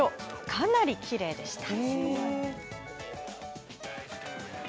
かなりきれいでした。